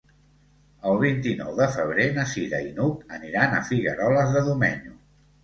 El vint-i-nou de febrer na Cira i n'Hug aniran a Figueroles de Domenyo.